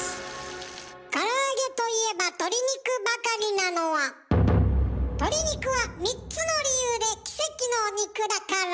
から揚げといえば鶏肉ばかりなのは鶏肉は３つの理由で奇跡の肉だから。